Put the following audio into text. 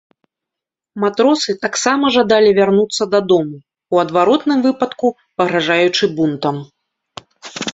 Матросы таксама жадалі вярнуцца дадому, у адваротным выпадку пагражаючы бунтам.